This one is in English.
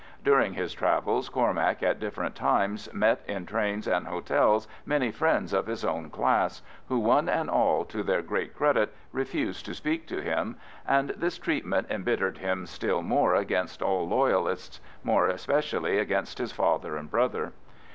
During his travels Cormac at different times met in trains and hotels many friends of his own class, who one and all, to their great credit, refused to speak to him, and this treatment embittered him still more against all Loyalists, more especially against his father and brother.